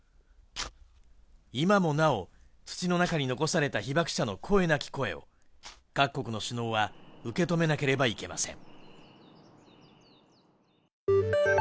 今もなお土の中に残された被爆者の声なき声を各国の首脳は受け止めなければいけません。